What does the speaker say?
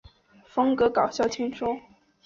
风格轻松搞笑。